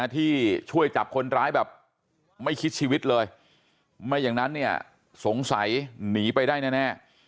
ที่ช่วยจับคนร้ายแบบไม่คิดชีวิตเลยไม่อย่างนั้นเนี่ยสงสัยหนีไปได้แน่